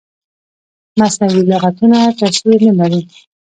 مصنوعي لغتونه تصویر نه لري.